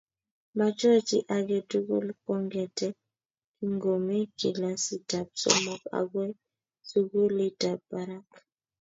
Mature chi age tugul kongete kingomi kilasitab somok agoi sukulitap barak